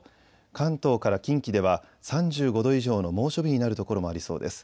関東から近畿では３５度以上の猛暑日になる所もありそうです。